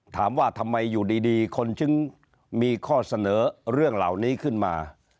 ถามว่าทำไมอยู่ดีคนจึงมีข้อเสนอเรื่องเหล่านี้ขึ้นมา